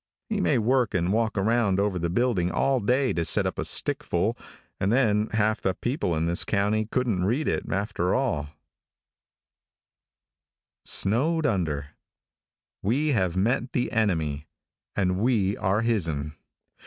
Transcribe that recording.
He may work and walk around over the building all day to set up a stick full, and then half the people in this county couldn't read it, after all. "Clarke, Potter and Walsh." SNOWED UNDER |WE have met the enemy, and we are his'n.